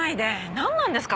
なんなんですか？